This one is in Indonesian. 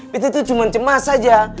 beto tuh cuman cemas aja